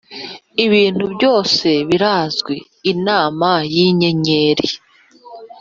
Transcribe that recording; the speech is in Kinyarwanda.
ibintu byose birazwi: inama yinyenyeri